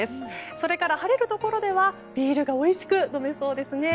それから、晴れるところではビールがおいしく飲めそうです。